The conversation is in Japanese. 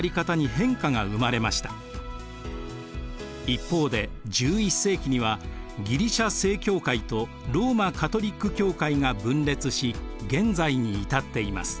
一方で１１世紀にはギリシア正教会とローマ・カトリック教会が分裂し現在に至っています。